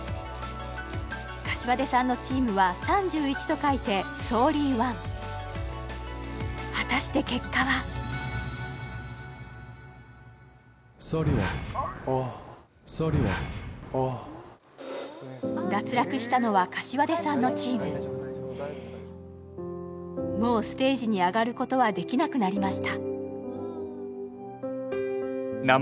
膳さんのチームは３１と書いて「３１」果たして結果は・３１・３１脱落したのは膳さんのチームもうステージに上がることはできなくなりました